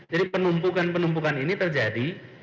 jadi penumpukan penumpukan ini terjadi